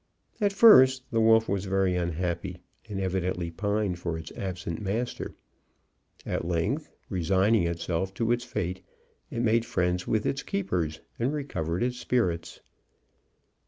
At first the wolf was very unhappy, and evidently pined for its absent master. At length, resigning itself to its fate, it made friends with its keepers, and recovered its spirits.